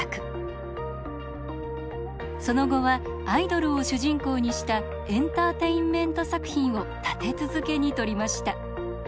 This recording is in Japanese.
その後はアイドルを主人公にしたエンターテインメント作品を立て続けに撮りました。